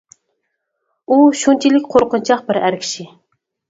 ئۇ شۇنچىلىك قورقۇنچاق بىر ئەر كىشى.